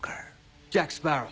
ジャック・スパロウ。